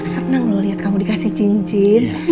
seneng loh liat kamu dikasih cincin